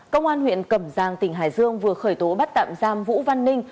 công an huyện cẩm giang tỉnh hải dương vừa khởi tố bắt tạm giam vũ văn ninh